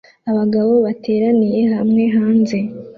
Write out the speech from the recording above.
Abagabo bateraniye hamwe hanze